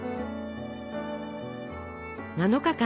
７日間